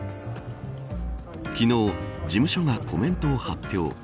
昨日、事務所がコメントを発表。